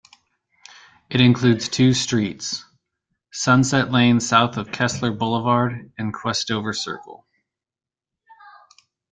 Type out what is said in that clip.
It includes two streets: Sunset Lane south of Kessler Boulevard and Questover Circle.